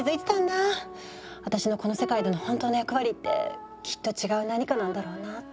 私のこの世界での本当の役割ってきっと違う何かなんだろうなって。